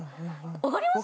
わかります？